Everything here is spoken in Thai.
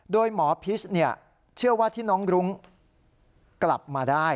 โดยหมอพิษเชื่อว่าที่น้องรุ้งกลับมาได้